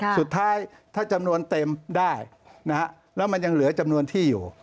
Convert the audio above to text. สุดท้ายถ้าจำนวนเต็มได้แล้วมันยังเหลือจำนวนที่อยู่